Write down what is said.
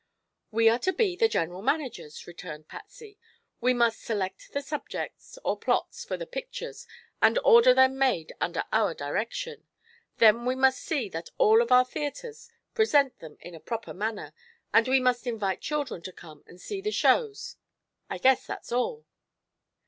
"We are to be the general managers," returned Patsy. "We must select the subjects, or plots, for the pictures, and order them made under our direction. Then we must see that all of our theatres present them in a proper manner, and we must invite children to come and see the shows. I guess that's all."